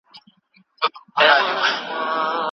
شبکه فعاله وساتل شوه.